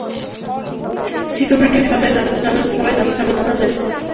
Security সবে জানাল যে চার্লস কিফ পার্টি বিকেলের পরিবর্তে সকাল সাড়ে পাঁচটায় পৌঁছাবে।